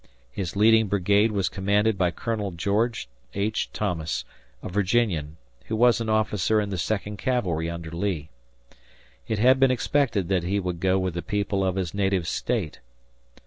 His leading brigade was commanded by Colonel George H. Thomas, a Virginian, who was an officer in the Second Cavalry under Lee. It had been expected that he would go with the people of his native State.